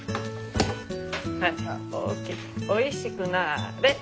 おいしくなれ！